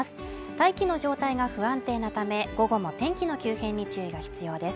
大気の状態が不安定なため午後も天気の急変に注意が必要です